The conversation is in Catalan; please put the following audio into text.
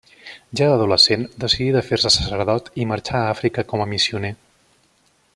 Ja d'adolescent decidí de fer-se sacerdot i marxar a Àfrica com a missioner.